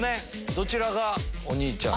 どちらがお兄ちゃん？